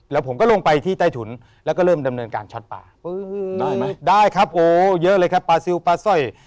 แล้วผมก็ลงไปที่ใต้ถุนแล้วก็เริ่มดำเนินการช็อตปลาได้ไหมได้ครับโอ้เยอะเลยครับปลาซิลปลาสร้อย